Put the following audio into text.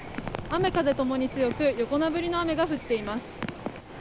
雨風共に強く横殴りの雨が降っています。